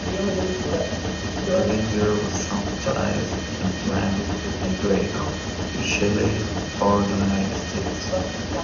Levinger was traumatised and planned to emigrate to Chile or the United States.